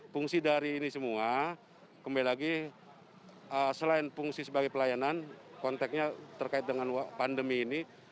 fungsi dari ini semua kembali lagi selain fungsi sebagai pelayanan konteknya terkait dengan pandemi ini